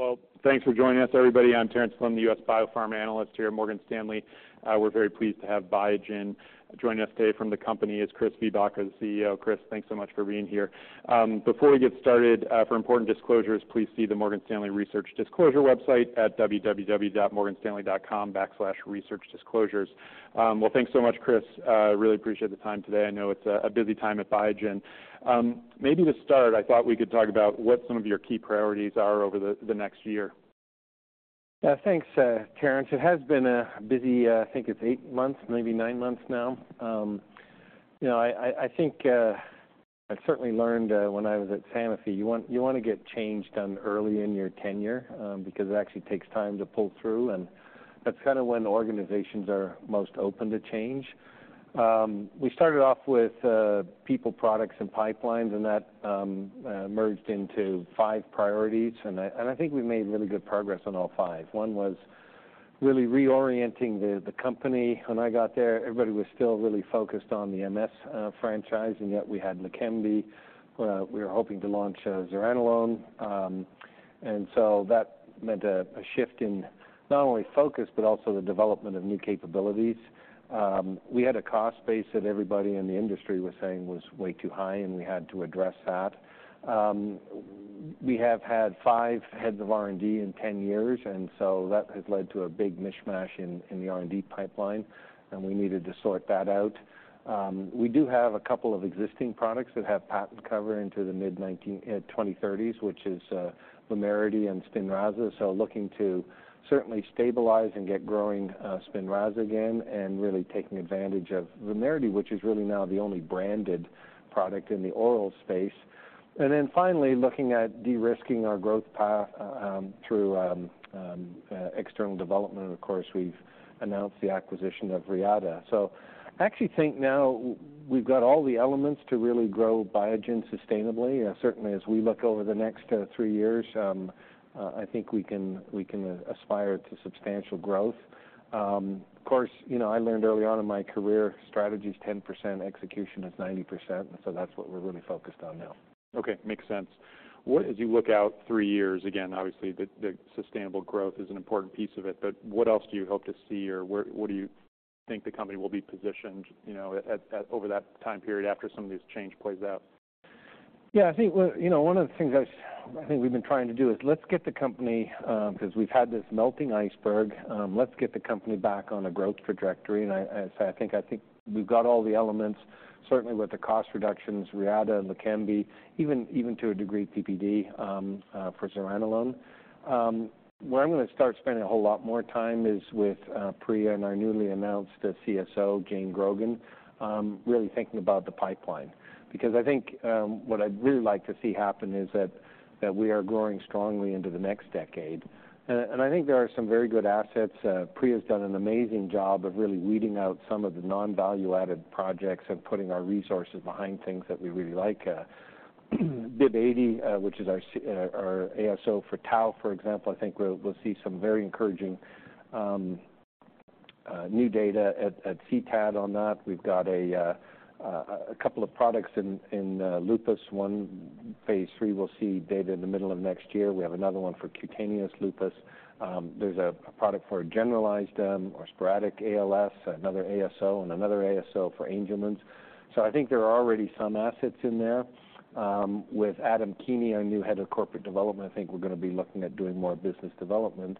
Well, thanks for joining us, everybody. I'm Terence Flynn, the U.S. biopharma analyst here at Morgan Stanley. We're very pleased to have Biogen joining us today. From the company is Chris Viehbacher, the CEO. Chris, thanks so much for being here. Before we get started, for important disclosures, please see the Morgan Stanley Research Disclosure website at www.morganstanley.com/researchdisclosures. Well, thanks so much, Chris. Really appreciate the time today. I know it's a busy time at Biogen. Maybe to start, I thought we could talk about what some of your key priorities are over the next year. Yeah, thanks, Terence. It has been a busy, I think it's eight months, maybe nine months now. You know, I think I certainly learned when I was at Sanofi, you want to get change done early in your tenure, because it actually takes time to pull through, and that's kind of when organizations are most open to change. We started off with people, products, and pipelines, and that merged into five priorities, and I think we made really good progress on all five. One was really reorienting the company. When I got there, everybody was still really focused on the MS franchise, and yet we had LEQEMBI, we were hoping to launch ZURZUVAE. And so that meant a shift in not only focus, but also the development of new capabilities. We had a cost base that everybody in the industry was saying was way too high, and we had to address that. We have had five heads of R&D in 10 years, and so that has led to a big mishmash in the R&D pipeline, and we needed to sort that out. We do have a couple of existing products that have patent cover into the mid-2030s, which is VUMERITY and SPINRAZA. So looking to certainly stabilize and get growing SPINRAZA again, and really taking advantage of VUMERITY, which is really now the only branded product in the oral space. And then finally, looking at de-risking our growth path through external development. Of course, we've announced the acquisition of Reata. So I actually think now we've got all the elements to really grow Biogen sustainably. Certainly as we look over the next three years, I think we can aspire to substantial growth. Of course, you know, I learned early on in my career, strategy is 10%, execution is 90%, and so that's what we're really focused on now. Okay, makes sense. What, as you look out three years, again, obviously, the sustainable growth is an important piece of it, but what else do you hope to see, or where, what do you think the company will be positioned, you know, at over that time period after some of these changes play out? Yeah, I think, well, you know, one of the things I think we've been trying to do is let's get the company, because we've had this melting iceberg, let's get the company back on a growth trajectory. And I think we've got all the elements, certainly with the cost reductions, Reata and LEQEMBI, even to a degree, PPD for zuranolone. Where I'm going to start spending a whole lot more time is with Priya and our newly announced CSO, Jane Grogan, really thinking about the pipeline. Because I think what I'd really like to see happen is that we are growing strongly into the next decade. And I think there are some very good assets. Priya has done an amazing job of really weeding out some of the non-value-added projects and putting our resources behind things that we really like. BIIB080, which is our ASO for tau, for example, I think we'll see some very encouraging new data at CTAD on that. We've got a couple of products in lupus. One, phase III, we'll see data in the middle of next year. We have another one for cutaneous lupus. There's a product for generalized or sporadic ALS, another ASO, and another ASO for Angelman's. So I think there are already some assets in there. With Adam Keeney, our new head of corporate development, I think we're going to be looking at doing more business development.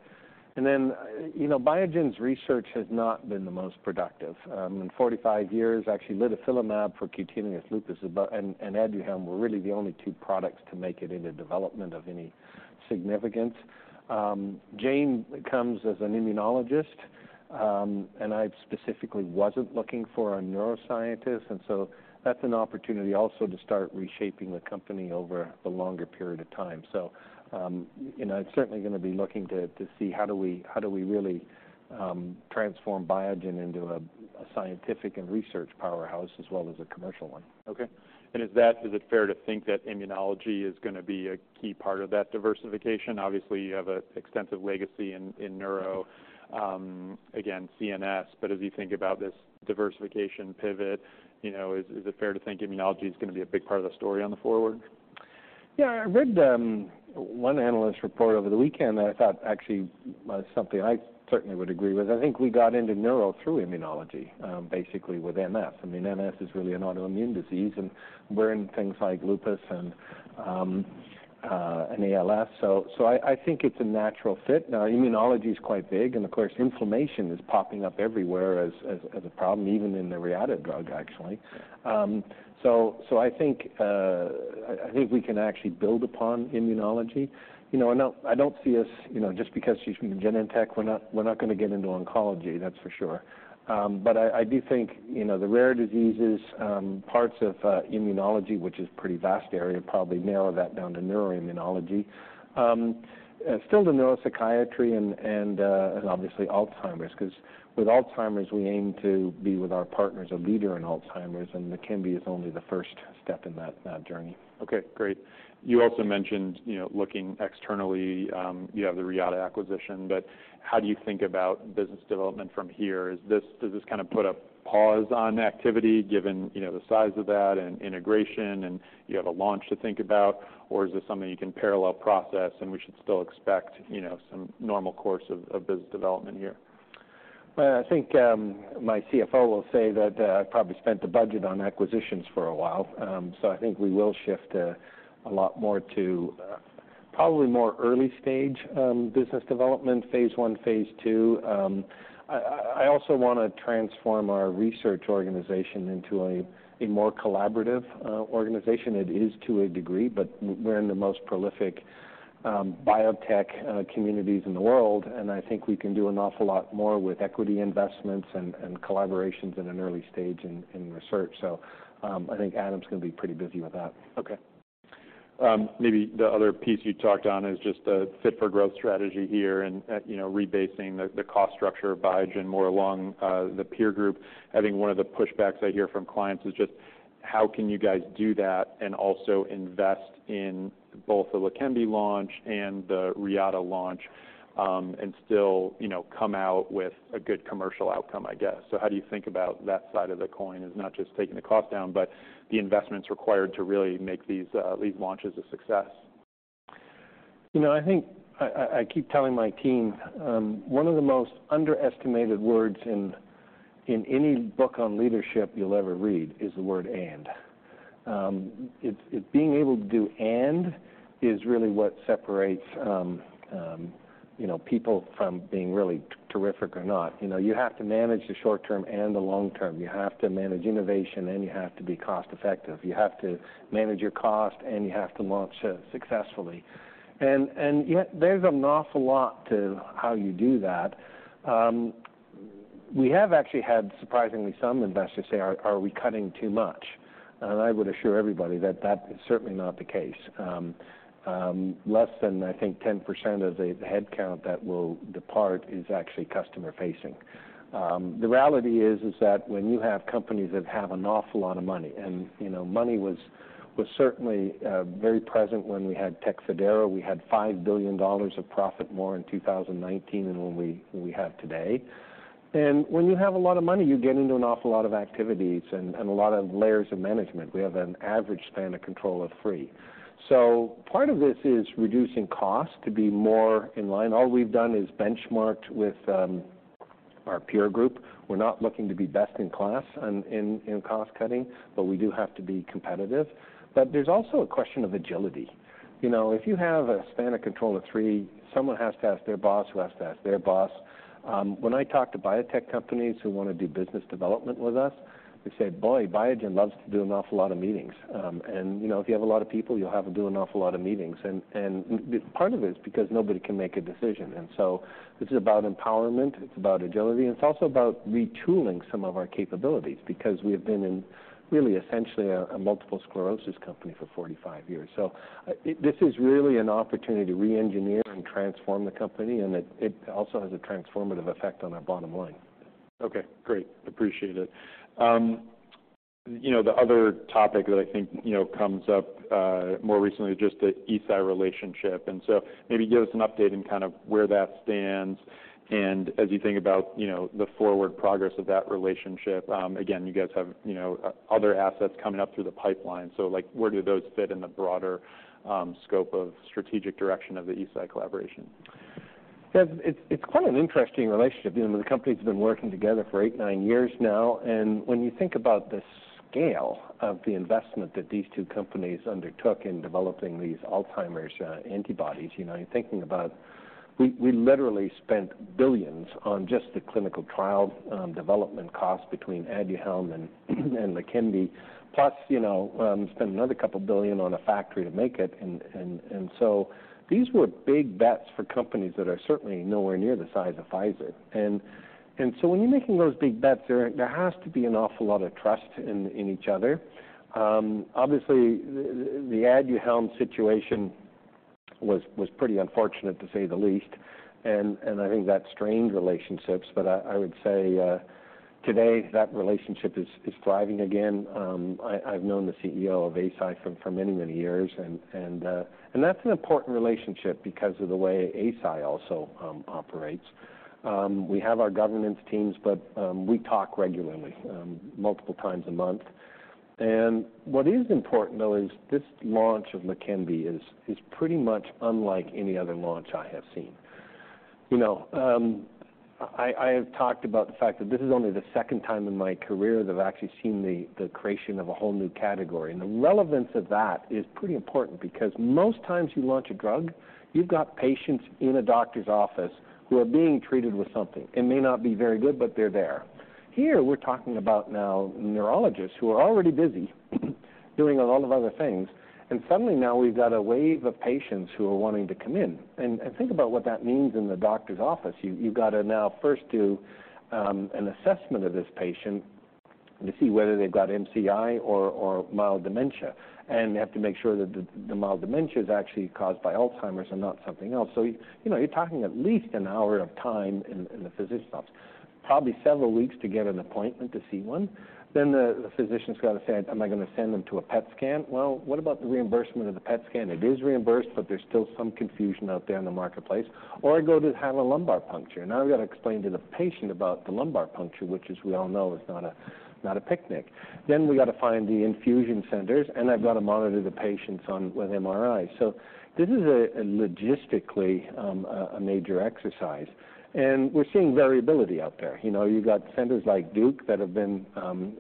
And then, you know, Biogen's research has not been the most productive. In 45 years, actually, litifilimab for cutaneous lupus and ADUHELM were really the only two products to make it into development of any significance. Jane comes as an immunologist, and I specifically wasn't looking for a neuroscientist, and so that's an opportunity also to start reshaping the company over a longer period of time. So, you know, I'm certainly going to be looking to, to see how do we, how do we really transform Biogen into a scientific and research powerhouse as well as a commercial one. Okay. And is that, is it fair to think that immunology is going to be a key part of that diversification? Obviously, you have a extensive legacy in, in neuro, again, CNS. But as you think about this diversification pivot, you know, is, is it fair to think immunology is going to be a big part of the story on the forward? Yeah, I read one analyst report over the weekend that I thought actually was something I certainly would agree with. I think we got into neuro through immunology, basically with MS. I mean, MS is really an autoimmune disease, and we're in things like lupus and ALS. So I think it's a natural fit. Now, immunology is quite big, and of course, inflammation is popping up everywhere as a problem, even in the Reata drug, actually. So I think we can actually build upon immunology. You know, I don't see us, you know, just because she's from Genentech, we're not going to get into oncology, that's for sure. But I, I do think, you know, the rare diseases, parts of, immunology, which is a pretty vast area, probably narrow that down to neuroimmunology. Still the neuropsychiatry and, and, and obviously Alzheimer's, because with Alzheimer's, we aim to be, with our partners, a leader in Alzheimer's, and LEQEMBI is only the first step in that, that journey. Okay, great. You also mentioned, you know, looking externally, you have the Reata acquisition, but how do you think about business development from here? Is this, does this kind of put a pause on activity, given, you know, the size of that and integration, and you have a launch to think about, or is this something you can parallel process and we should still expect, you know, some normal course of business development here?... Well, I think, my CFO will say that I probably spent the budget on acquisitions for a while. So I think we will shift a lot more to probably more early stage business development, phase one, phase two. I also want to transform our research organization into a more collaborative organization. It is to a degree, but we're in the most prolific biotech communities in the world, and I think we can do an awful lot more with equity investments and collaborations in an early stage in research. So, I think Adam's going to be pretty busy with that. Okay. Maybe the other piece you talked on is just the fit for growth strategy here and, you know, rebasing the, the cost structure of Biogen more along, the peer group. I think one of the pushbacks I hear from clients is just how can you guys do that and also invest in both the LEQEMBI launch and the Reata launch, and still, you know, come out with a good commercial outcome, I guess? So how do you think about that side of the coin as not just taking the cost down, but the investments required to really make these, these launches a success? You know, I think I keep telling my team, one of the most underestimated words in any book on leadership you'll ever read is the word and. It's being able to do and is really what separates, you know, people from being really terrific or not. You know, you have to manage the short term and the long term. You have to manage innovation, and you have to be cost-effective. You have to manage your cost, and you have to launch successfully. And yet there's an awful lot to how you do that. We have actually had, surprisingly, some investors say, "Are we cutting too much?" And I would assure everybody that that is certainly not the case. Less than, I think, 10% of the headcount that will depart is actually customer facing. The reality is that when you have companies that have an awful lot of money, and, you know, money was certainly very present when we had TECFIDERA. We had $5 billion of profit more in 2019 than what we have today. And when you have a lot of money, you get into an awful lot of activities and a lot of layers of management. We have an average span of control of three. So part of this is reducing costs to be more in line. All we've done is benchmarked with our peer group. We're not looking to be best in class in cost cutting, but we do have to be competitive. But there's also a question of agility. You know, if you have a span of control of three, someone has to ask their boss, who has to ask their boss. When I talk to biotech companies who want to do business development with us, they say, "Boy, Biogen loves to do an awful lot of meetings." And, you know, if you have a lot of people, you'll have to do an awful lot of meetings. And, and part of it is because nobody can make a decision. And so this is about empowerment, it's about agility, and it's also about retooling some of our capabilities because we have been in really essentially a multiple sclerosis company for 45 years. This is really an opportunity to reengineer and transform the company, and it also has a transformative effect on our bottom line. Okay, great. Appreciate it. You know, the other topic that I think, you know, comes up more recently is just the Eisai relationship. And so maybe give us an update on kind of where that stands. And as you think about, you know, the forward progress of that relationship, again, you guys have, you know, other assets coming up through the pipeline. So, like, where do those fit in the broader scope of strategic direction of the Eisai collaboration? Yeah, it's quite an interesting relationship. You know, the company's been working together for eight to nine years now, and when you think about the scale of the investment that these two companies undertook in developing these Alzheimer's antibodies, you know, you're thinking about... We literally spent $ billions on just the clinical trial development cost between ADUHELM and LEQEMBI. Plus, you know, spent another couple billion on a factory to make it. And so these were big bets for companies that are certainly nowhere near the size of Pfizer. And so when you're making those big bets, there has to be an awful lot of trust in each other. Obviously, the ADUHELM situation was pretty unfortunate, to say the least, and I think that strained relationships. But I, I would say, today, that relationship is, is thriving again. I've known the CEO of Eisai for, for many, many years, and, and, and that's an important relationship because of the way Eisai also, operates. We have our governance teams, but, we talk regularly, multiple times a month. And what is important, though, is this launch of LEQEMBI is, is pretty much unlike any other launch I have seen. You know, I, I have talked about the fact that this is only the second time in my career that I've actually seen the, the creation of a whole new category. And the relevance of that is pretty important because most times you launch a drug, you've got patients in a doctor's office who are being treated with something. It may not be very good, but they're there. Here, we're talking about now neurologists who are already busy doing a lot of other things, and suddenly now we've got a wave of patients who are wanting to come in. And think about what that means in the doctor's office. You've got to now first do an assessment of this patient to see whether they've got MCI or mild dementia. And they have to make sure that the mild dementia is actually caused by Alzheimer's and not something else. So, you know, you're talking at least an hour of time in the physician's office, probably several weeks to get an appointment to see one. Then the physician's got to say, "Am I going to send them to a PET scan?" Well, what about the reimbursement of the PET scan? It is reimbursed, but there's still some confusion out there in the marketplace. Or I go to have a lumbar puncture. Now I've got to explain to the patient about the lumbar puncture, which, as we all know, is not a, not a picnic. Then we got to find the infusion centers, and I've got to monitor the patients with MRI. So this is a, logistically, a major exercise, and we're seeing variability out there. You know, you've got centers like Duke that have been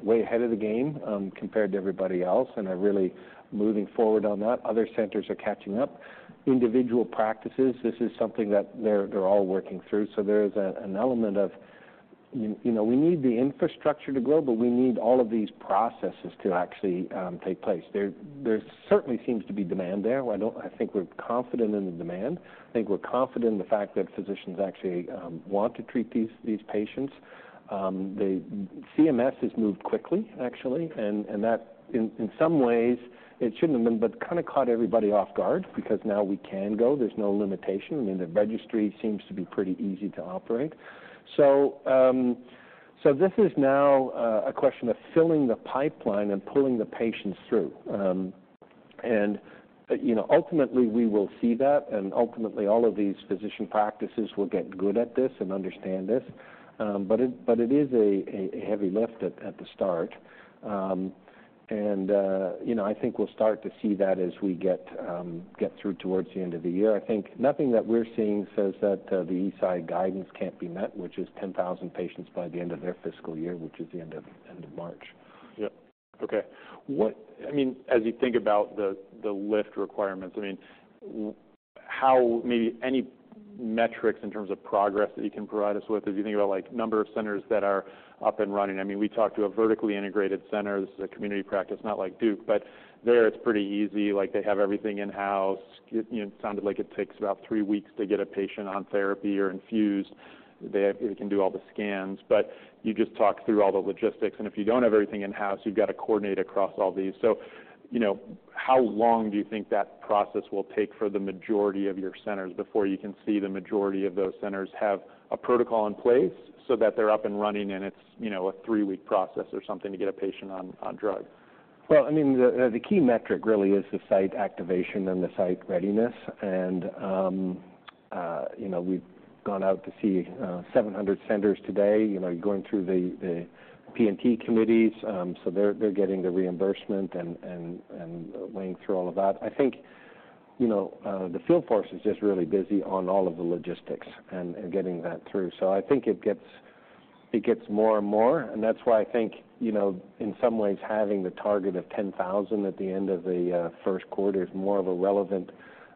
way ahead of the game, compared to everybody else and are really moving forward on that. Other centers are catching up. Individual practices, this is something that they're, they're all working through. So there is an element of... you know, we need the infrastructure to grow, but we need all of these processes to actually take place. There certainly seems to be demand there. I think we're confident in the demand. I think we're confident in the fact that physicians actually want to treat these patients. The CMS has moved quickly, actually, and that in some ways, it shouldn't have been, but kind of caught everybody off guard because now we can go. There's no limitation. I mean, the registry seems to be pretty easy to operate. So, this is now a question of filling the pipeline and pulling the patients through. And, you know, ultimately, we will see that, and ultimately, all of these physician practices will get good at this and understand this. But it is a heavy lift at the start. And, you know, I think we'll start to see that as we get through towards the end of the year. I think nothing that we're seeing says that the Eisai guidance can't be met, which is 10,000 patients by the end of their fiscal year, which is the end of March. Yep. Okay. I mean, as you think about the lift requirements, I mean, how maybe any metrics in terms of progress that you can provide us with, as you think about, like, the number of centers that are up and running? I mean, we talked to a vertically integrated center. This is a community practice, not like Duke, but there it's pretty easy. Like, they have everything in-house. You know, it sounded like it takes about three weeks to get a patient on therapy or infused. They can do all the scans. But you just talk through all the logistics, and if you don't have everything in-house, you've got to coordinate across all these. You know, how long do you think that process will take for the majority of your centers before you can see the majority of those centers have a protocol in place so that they're up and running, and it's, you know, a three-week process or something to get a patient on drug? Well, I mean, the key metric really is the site activation and the site readiness. And, you know, we've gone out to see 700 centers today, you know, going through the P&T committees. So they're getting the reimbursement and weighing through all of that. I think, you know, the field force is just really busy on all of the logistics and getting that through. So I think it gets more and more, and that's why I think, you know, in some ways, having the target of 10,000 at the end of the first quarter is more of a relevant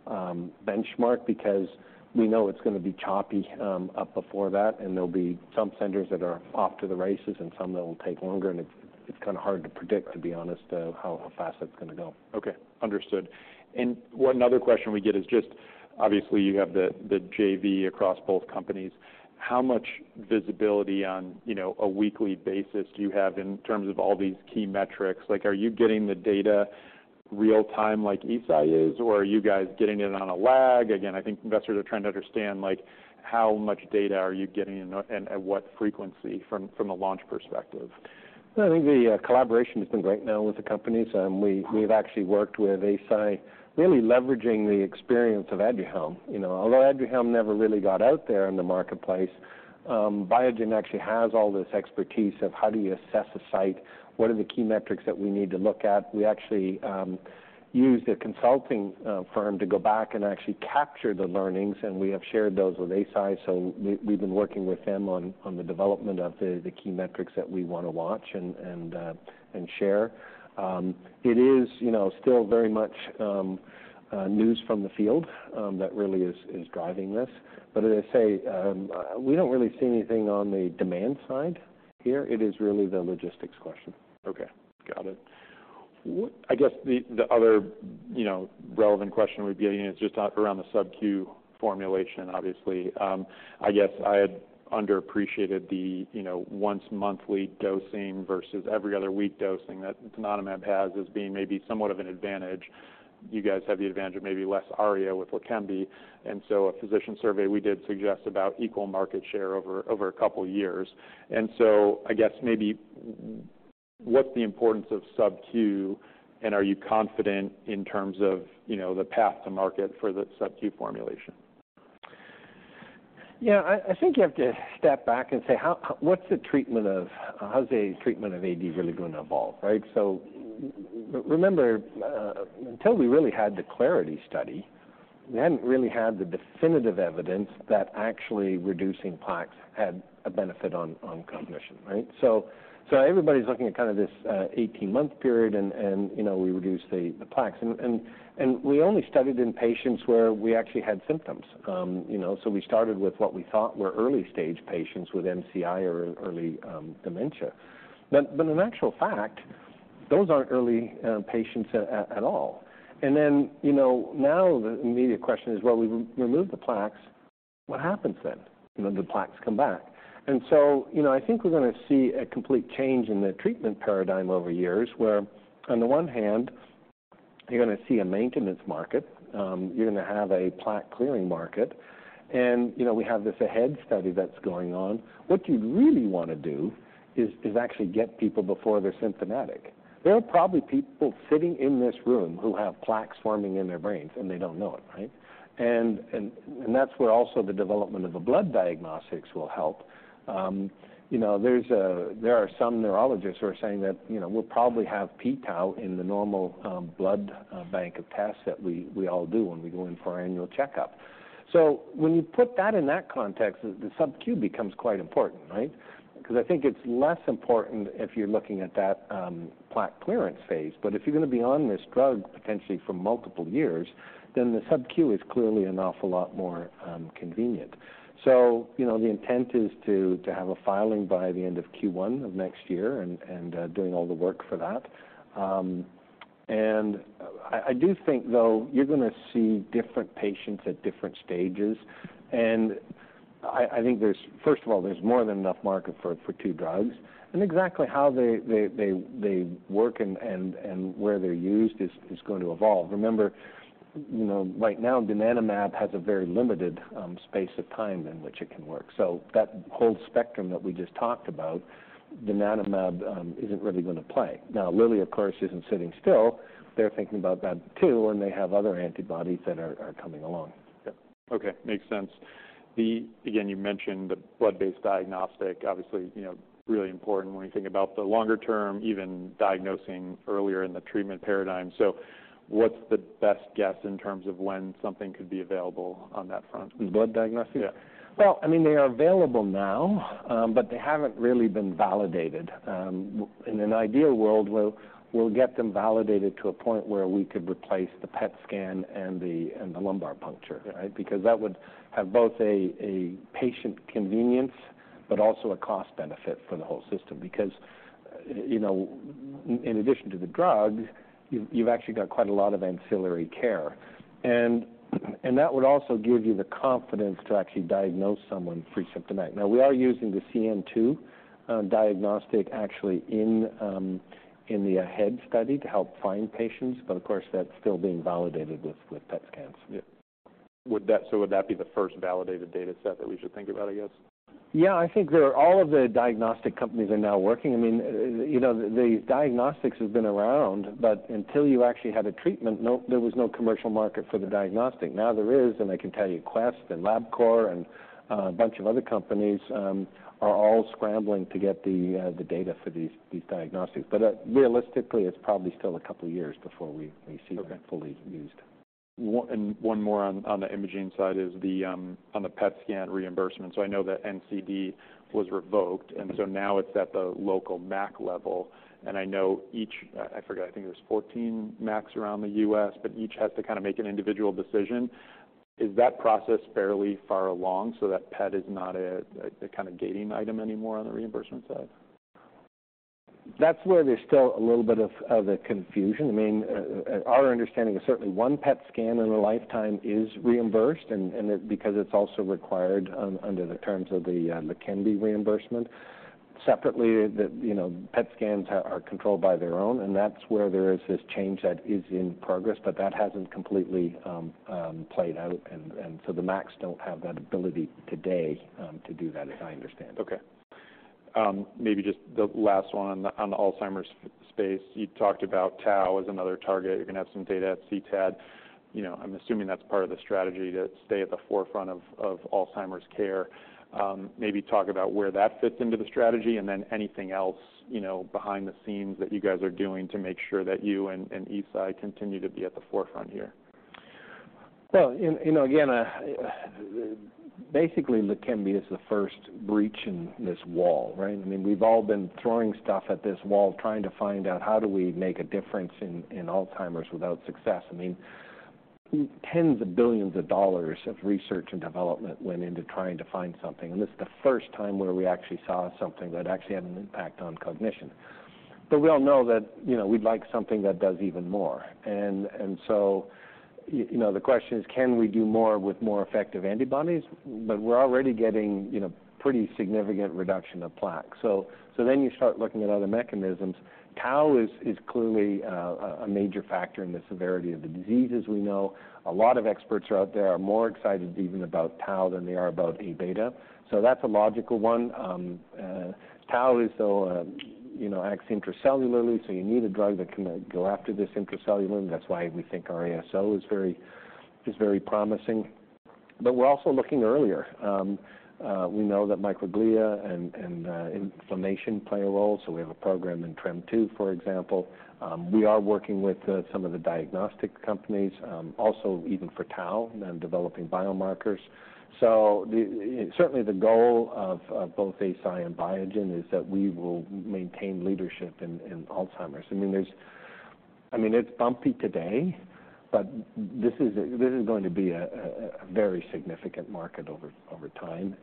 benchmark because we know it's gonna be choppy up before that, and there'll be some centers that are off to the races and some that will take longer, and it's kind of hard to predict, to be honest, how fast that's gonna go. Okay, understood. And one other question we get is just, obviously, you have the JV across both companies. How much visibility on, you know, a weekly basis do you have in terms of all these key metrics? Like, are you getting the data real time like Eisai is, or are you guys getting it on a lag? Again, I think investors are trying to understand, like, how much data are you getting and at what frequency from a launch perspective? I think the collaboration has been great now with the companies, and we've actually worked with Eisai, really leveraging the experience of ADUHELM. You know, although ADUHELM never really got out there in the marketplace, Biogen actually has all this expertise of how do you assess a site? What are the key metrics that we need to look at? We actually used a consulting firm to go back and actually capture the learnings, and we have shared those with Eisai. So we've been working with them on the development of the key metrics that we want to watch and share. It is, you know, still very much news from the field that really is driving this. But as I say, we don't really see anything on the demand side here. It is really the logistics question. Okay, got it. What, I guess the other, you know, relevant question would be, and it's just around the subq formulation, obviously. I guess I had underappreciated the, you know, once-monthly dosing versus every other week dosing that donanemab has as being maybe somewhat of an advantage. You guys have the advantage of maybe less ARIA with LEQEMBI, and so a physician survey we did suggest about equal market share over a couple of years. And so I guess maybe what's the importance of subq, and are you confident in terms of, you know, the path to market for the subq formulation? Yeah, I think you have to step back and say, how... What's the treatment—how's the treatment of AD really going to evolve, right? So remember, until we really had the Clarity study, we hadn't really had the definitive evidence that actually reducing plaques had a benefit on cognition, right? So everybody's looking at kind of this 18-month period and, you know, we reduce the plaques. And we only studied in patients where we actually had symptoms. You know, so we started with what we thought were early-stage patients with MCI or early dementia. But in actual fact, those aren't early patients at all. And then, you know, now the immediate question is: Well, we removed the plaques, what happens then? You know, the plaques come back. So, you know, I think we're gonna see a complete change in the treatment paradigm over years, where on the one hand, you're gonna see a maintenance market, you're gonna have a plaque-clearing market, and, you know, we have this AHEAD study that's going on. What you'd really want to do is actually get people before they're symptomatic. There are probably people sitting in this room who have plaques forming in their brains, and they don't know it, right? And that's where also the development of a blood diagnostics will help. You know, there are some neurologists who are saying that, you know, we'll probably have p-tau in the normal blood bank of tests that we all do when we go in for our annual checkup. So when you put that in that context, the subq becomes quite important, right? Because I think it's less important if you're looking at that plaque clearance phase. But if you're gonna be on this drug potentially for multiple years, then the subq is clearly an awful lot more convenient. So, you know, the intent is to have a filing by the end of Q1 of next year and doing all the work for that. And I do think, though, you're gonna see different patients at different stages. I think there's, first of all, there's more than enough market for two drugs. And exactly how they work and where they're used is going to evolve. Remember, you know, right now, donanemab has a very limited space of time in which it can work. So that whole spectrum that we just talked about, donanemab, isn't really going to play. Now, Lilly, of course, isn't sitting still. They're thinking about that too, and they have other antibodies that are coming along. Okay, makes sense. Again, you mentioned the blood-based diagnostic, obviously, you know, really important when you think about the longer term, even diagnosing earlier in the treatment paradigm. So what's the best guess in terms of when something could be available on that front? The blood diagnostic? Yeah. Well, I mean, they are available now, but they haven't really been validated. In an ideal world, we'll get them validated to a point where we could replace the PET scan and the lumbar puncture, right? Because that would have both a patient convenience, but also a cost benefit for the whole system. Because, you know, in addition to the drug, you've actually got quite a lot of ancillary care. And that would also give you the confidence to actually diagnose someone presymptomatic. Now, we are using the C2N diagnostic, actually, in the AHEAD study to help find patients, but of course, that's still being validated with PET scans. Yeah. So would that be the first validated data set that we should think about, I guess? Yeah, I think there are... All of the diagnostic companies are now working. I mean, you know, the diagnostics has been around, but until you actually had a treatment, no— there was no commercial market for the diagnostic. Now, there is, and I can tell you, Quest and Labcorp, and a bunch of other companies, are all scrambling to get the data for these diagnostics. But, realistically, it's probably still a couple of years before we see- Okay. Them fully used. One, and one more on, on the imaging side is the, on the PET scan reimbursement. So I know that NCD was revoked, and so now it's at the local MAC level. And I know each, I forget, I think there's 14 MACs around the U.S., but each has to kind of make an individual decision. Is that process fairly far along so that PET is not a, a kind of gating item anymore on the reimbursement side? That's where there's still a little bit of a confusion. I mean, our understanding is certainly one PET scan in a lifetime is reimbursed, and it because it's also required under the terms of the the LEQEMBI reimbursement. Separately, the, you know, PET scans are controlled by their own, and that's where there is this change that is in progress, but that hasn't completely played out. And so the MACs don't have that ability today, to do that, as I understand. Okay. Maybe just the last one on the Alzheimer's space. You talked about tau as another target. You're going to have some data at CTAD. You know, I'm assuming that's part of the strategy to stay at the forefront of Alzheimer's care. Maybe talk about where that fits into the strategy, and then anything else, you know, behind the scenes that you guys are doing to make sure that you and Eisai continue to be at the forefront here. Well, you know, again, basically, LEQEMBI is the first breach in this wall, right? I mean, we've all been throwing stuff at this wall, trying to find out how do we make a difference in Alzheimer's without success. I mean, tens of billions of dollars of research and development went into trying to find something, and this is the first time where we actually saw something that actually had an impact on cognition. But we all know that, you know, we'd like something that does even more. And so, you know, the question is, can we do more with more effective antibodies? But we're already getting, you know, pretty significant reduction of plaque. So then you start looking at other mechanisms. tau is clearly a major factor in the severity of the disease, as we know. A lot of experts out there are more excited even about tau than they are about Abeta. So that's a logical one. Tau is so, you know, acts intracellularly, so you need a drug that can go after this intracellularly. That's why we think our ASO is very promising. But we're also looking earlier. We know that microglia and inflammation play a role, so we have a program in TREM2, for example. We are working with some of the diagnostic companies, also even for tau and developing biomarkers. So certainly, the goal of both Eisai and Biogen is that we will maintain leadership in Alzheimer's. I mean, there's-- I mean, it's bumpy today, but this is going to be a very significant market over time.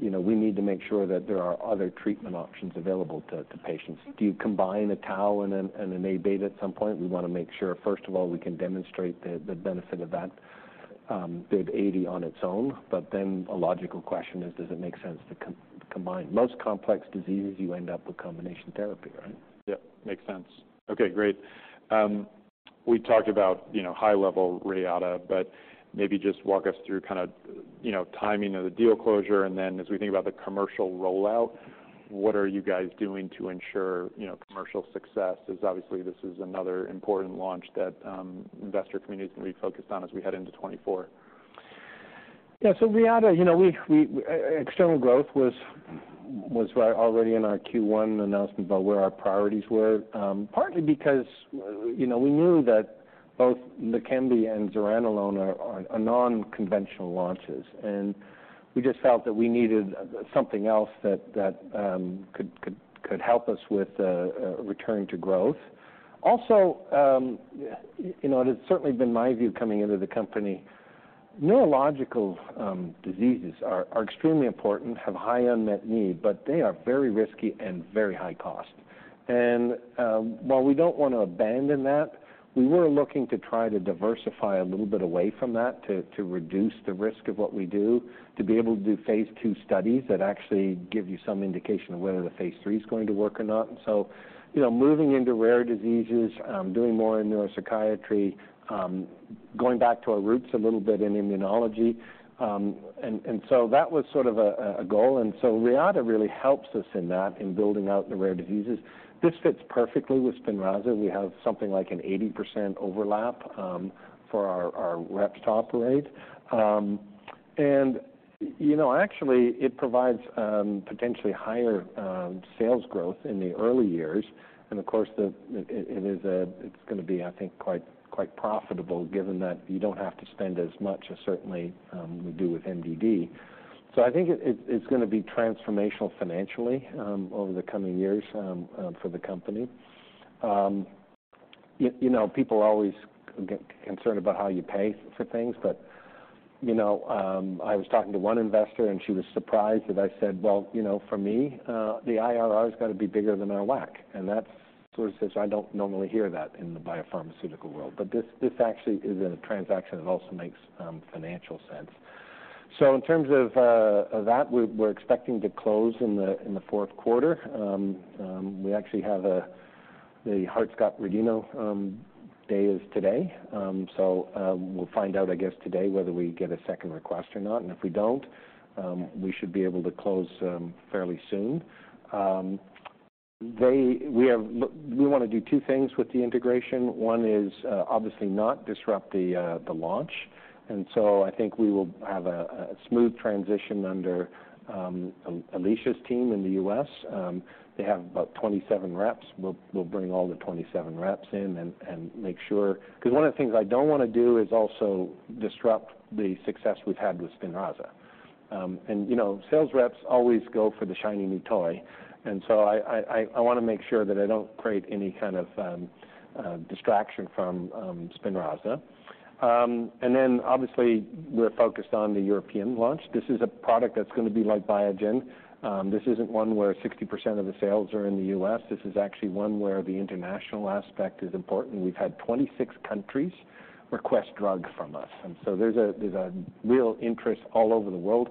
You know, we need to make sure that there are other treatment options available to patients. Do you combine a tau and an Abeta at some point? We want to make sure, first of all, we can demonstrate the benefit of that BIIB080 on its own. But then a logical question is, does it make sense to combine? Most complex diseases, you end up with combination therapy, right? Yep, makes sense. Okay, great. We talked about, you know, high-level Reata, but maybe just walk us through kind of, you know, timing of the deal closure, and then as we think about the commercial rollout, what are you guys doing to ensure, you know, commercial success? Because obviously, this is another important launch that investor community is going to be focused on as we head into 2024. Yeah. So Reata, you know, we external growth was already in our Q1 announcement about where our priorities were. Partly because, you know, we knew that both LEQEMBI and zuranolone are non-conventional launches, and we just felt that we needed something else that could help us with a return to growth. Also, you know, it has certainly been my view coming into the company, neurological diseases are extremely important, have high unmet need, but they are very risky and very high cost. While we don't want to abandon that, we were looking to try to diversify a little bit away from that, to reduce the risk of what we do, to be able to do phase two studies that actually give you some indication of whether the phase three is going to work or not. And so, you know, moving into rare diseases, doing more in neuropsychiatry, going back to our roots a little bit in immunology. And so that was sort of a goal, and so Reata really helps us in that, in building out the rare diseases. This fits perfectly with SPINRAZA. We have something like an 80% overlap for our rep top rate. And, you know, actually it provides potentially higher sales growth in the early years. And of course, it is, it's gonna be, I think, quite profitable, given that you don't have to spend as much as certainly we do with MVD. So I think it's gonna be transformational financially over the coming years for the company. You know, people always get concerned about how you pay for things, but you know, I was talking to one investor, and she was surprised that I said, "Well, you know, for me, the IRR has got to be bigger than our WACC." And that's sort of... I don't normally hear that in the biopharmaceutical world. But this actually is a transaction that also makes financial sense. So in terms of that, we're expecting to close in the fourth quarter. We actually have a, the Hart-Scott-Rodino day is today. So, we'll find out, I guess today, whether we get a second request or not, and if we don't, we should be able to close fairly soon. We want to do two things with the integration. One is, obviously, not disrupt the launch, and so I think we will have a smooth transition under Alisha's team in the U.S. They have about 27 reps. We'll bring all the 27 reps in and make sure... Because one of the things I don't want to do is also disrupt the success we've had with SPINRAZA. You know, sales reps always go for the shiny new toy, and so I want to make sure that I don't create any kind of distraction from SPINRAZA. And then obviously, we're focused on the European launch. This is a product that's going to be like Biogen. This isn't one where 60% of the sales are in the U.S. This is actually one where the international aspect is important. We've had 26 countries request drugs from us, and so there's a real interest all over the world.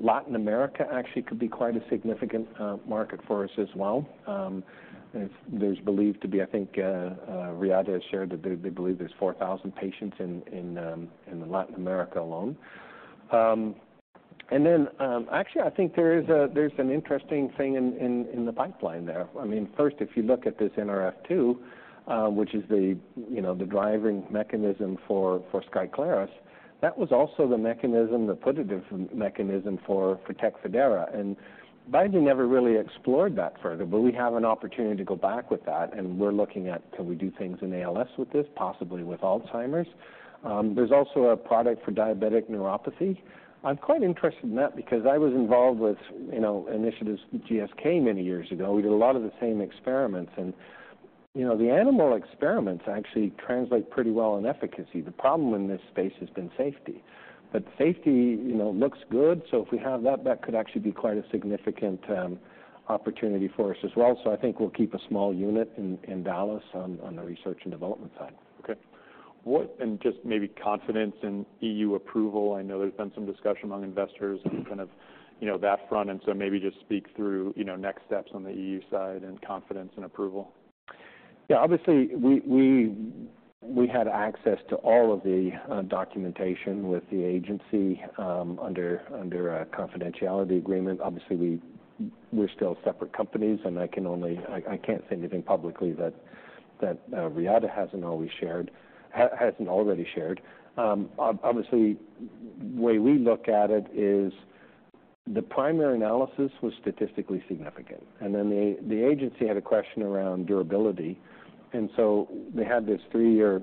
Latin America actually could be quite a significant market for us as well. There's believed to be, I think, Reata has shared that they believe there's 4,000 patients in Latin America alone. And then, actually, I think there is a-- there's an interesting thing in the pipeline there. I mean, first, if you look at this NRF2, which is the, you know, the driving mechanism for SKYCLARYS, that was also the mechanism, the putative mechanism for TECFIDERA. And Biogen never really explored that further, but we have an opportunity to go back with that, and we're looking at, can we do things in ALS with this, possibly with Alzheimer's? There's also a product for diabetic neuropathy. I'm quite interested in that because I was involved with, you know, initiatives with GSK many years ago. We did a lot of the same experiments. And, you know, the animal experiments actually translate pretty well in efficacy. The problem in this space has been safety. Safety, you know, looks good, so if we have that, that could actually be quite a significant opportunity for us as well. So I think we'll keep a small unit in Dallas on the research and development side. Okay. And just maybe confidence in EU approval. I know there's been some discussion among investors and kind of, you know, that front, and so maybe just speak through, you know, next steps on the EU side and confidence in approval. Yeah, obviously, we had access to all of the documentation with the agency under a confidentiality agreement. Obviously, we're still separate companies, and I can't say anything publicly that Reata hasn't already shared. Obviously, the way we look at it is the primary analysis was statistically significant, and then the agency had a question around durability, and so they had this three-year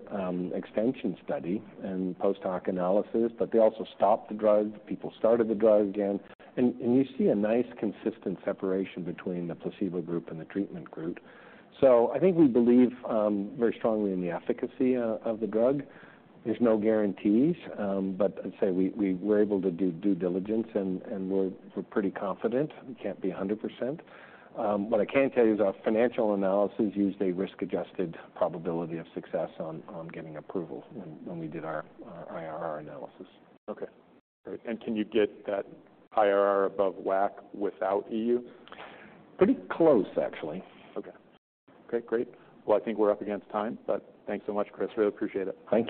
extension study and post-hoc analysis, but they also stopped the drug. People started the drug again. And you see a nice consistent separation between the placebo group and the treatment group. So I think we believe very strongly in the efficacy of the drug. There's no guarantees, but I'd say we're able to do due diligence and we're pretty confident. We can't be 100%. What I can tell you is our financial analysis used a risk-adjusted probability of success on getting approval when we did our IRR analysis. Okay. Great. Can you get that IRR above WACC without EU? Pretty close, actually. Okay. Okay, great. Well, I think we're up against time, but thanks so much, Chris. Really appreciate it. Thank you.